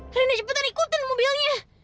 rina cepetan ikutin mobilnya